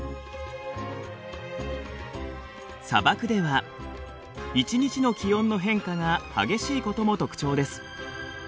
砂漠では一日の気温の変化が激しいことも特徴です。